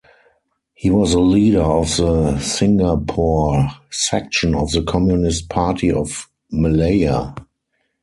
He was the leader of the Singapore section of the Communist Party of Malaya.